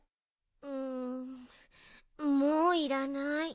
うんもういらない。